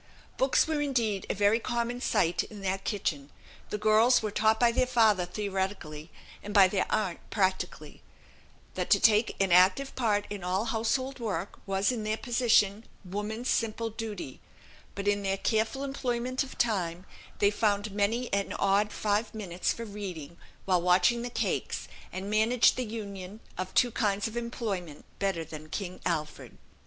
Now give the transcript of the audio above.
Books were, indeed, a very common sight in that kitchen; the girls were taught by their father theoretically, and by their aunt, practically, that to take an active part in all household work was, in their position, woman's simple duty; but in their careful employment of time, they found many an odd five minutes for reading while watching the cakes, and managed the union of two kinds of employment better than King Alfred.